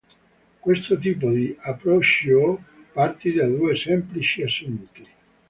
Questo tipo di approccio parte da due semplici assunti.